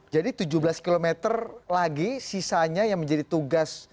jadi tujuh belas kilometer lagi sisanya yang menjadi tugas